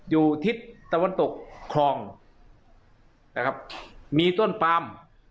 อยู่ทิศตะวันตกคลองมีต้นปามตะวันตกต้นปาม